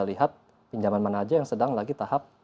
lihat pinjaman mana aja yang sedang lagi tahap